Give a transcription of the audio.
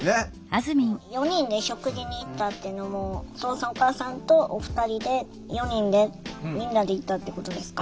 「４人で食事に行った」っていうのもお父さんお母さんとお二人で４人でみんなで行ったってことですか？